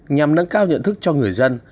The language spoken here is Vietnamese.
nhằm nâng cao nhận thức cho người dân